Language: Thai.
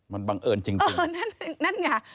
มันบังเอิญจริง